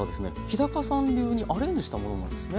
日さん流にアレンジしたものなんですね？